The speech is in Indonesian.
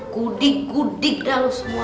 gudik gudik dah lo semua